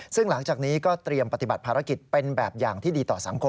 ซึ่งหลังจากนี้ก็เตรียมปฏิบัติภารกิจเป็นแบบอย่างที่ดีต่อสังคม